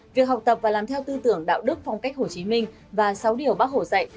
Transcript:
việc học tập và làm theo tư tưởng đạo đức phong cách hồ chí minh và sáu điều bác hồ dạy